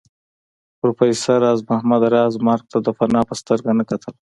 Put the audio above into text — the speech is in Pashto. پروفېسر راز محمد راز مرګ ته د فناء په سترګه نه کتل